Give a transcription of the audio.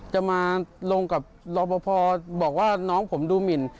จะมาลงกับรอปภบอกว่าน้องผมดูหมิน